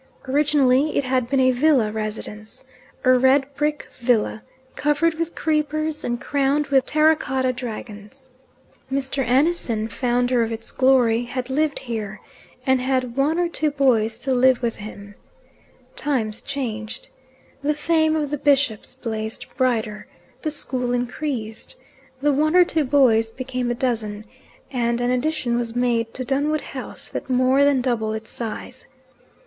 Originally it had been a villa residence a red brick villa, covered with creepers and crowned with terracotta dragons. Mr. Annison, founder of its glory, had lived here, and had had one or two boys to live with him. Times changed. The fame of the bishops blazed brighter, the school increased, the one or two boys became a dozen, and an addition was made to Dunwood House that more than doubled its size.